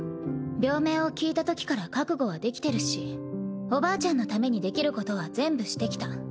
病名を聞いたときから覚悟はできてるしおばあちゃんのためにできることは全部してきた。